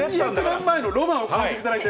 この１２００年前のロマンを感じていただいて。